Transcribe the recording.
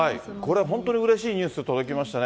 これは本当にうれしいニュース、届きましたね。